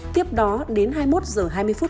tiếp đó đến hai mươi một h hai mươi phút